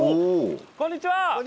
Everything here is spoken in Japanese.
こんにちは。